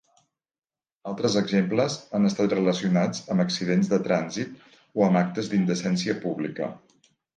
Altres exemples han estat relacionats amb accidents de trànsit o amb actes d'indecència pública.